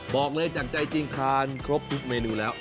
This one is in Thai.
บอกเลยจากใจจริงทานครบทุกเมนูแล้ว